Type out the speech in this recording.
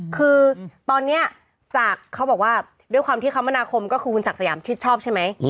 คือตอนนี้จากเขาบอกว่าด้วยความที่คมนาคมก็คือคุณศักดิ์สยามชิดชอบใช่ไหม